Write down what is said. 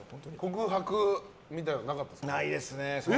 告白みたいなのはなかったんですか？